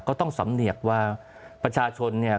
ต้องสำเนียกว่าประชาชนเนี่ย